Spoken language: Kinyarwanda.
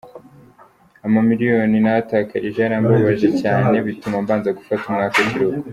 Amamiliyoni nahatakarije yarambabaje cyane bituma mbanza gufata umwaka w’ikiruhuko.